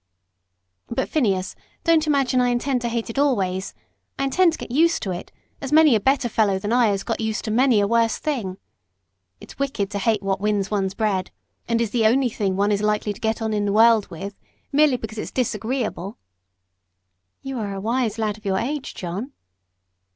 "But, Phineas, don't imagine I intend to hate it always; I intend to get used to it, as many a better fellow than I has got used to many a worse thing. It's wicked to hate what wins one's bread, and is the only thing one is likely to get on in the world with, merely because it's disagreeable." "You are a wise lad of your age, John."